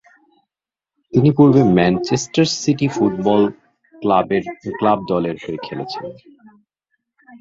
তিনি পূর্বে Manchester City football club দলের হয়ে খেলেছেন।